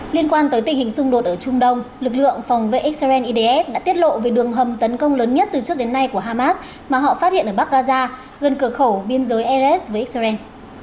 liên quan tới tình hình xung đột ở trung đông lực lượng phòng vệ israel idf đã tiết lộ về đường hầm tấn công lớn nhất từ trước đến nay của hamas mà họ phát hiện ở bắc gaza gần cửa khẩu biên giới eres với israel